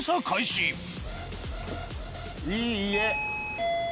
いい家！